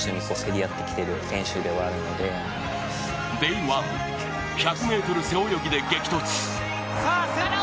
ＤＡＹ１、１００ｍ背泳ぎで激突。